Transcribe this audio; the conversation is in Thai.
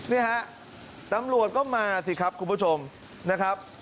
นี่ฮะตำรวจก็มาสิครับคุณผู้ชมนะครับ